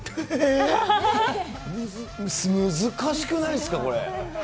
難しくないですか、これ。